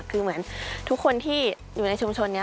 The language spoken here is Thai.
คือเหมือนทุกคนที่อยู่ในชุมชนนี้